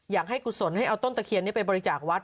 กุศลให้เอาต้นตะเคียนนี้ไปบริจาควัด